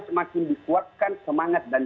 semakin dikuatkan semangat dan